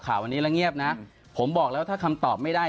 ผู้ใหญ่บ้านบอกแล้วแต่พวกพี่เลย